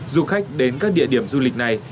du khách đến các địa điểm du lịch này